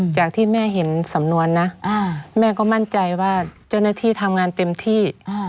จากที่แม่เห็นสำนวนนะแม่ก็มั่นใจว่าเจ้าหน้าที่ทำงานเต็มที่